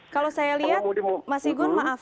kalau saya lihat mas igun maaf